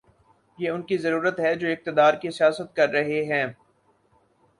یہ ان کی ضرورت ہے جو اقتدار کی سیاست کر رہے ہیں۔